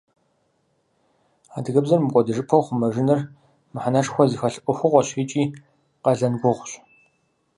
Адыгэбзэр мыкӀуэдыжыпэу хъумэжыныр мыхьэнэшхуэ зыхэлъ Ӏуэхугъуэщ икӀи къалэн гугъущ.